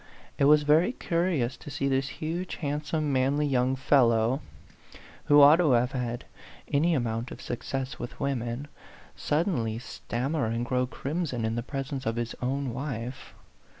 It was very curious to see this huge, handsome, manly young fellow, 28 A PHANTOM LOVER who ought to have had any amount of sus cess with women, suddenly stammer and grow crimson in the presence of his own wife.